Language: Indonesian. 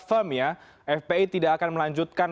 firm ya fpi tidak akan melanjutkan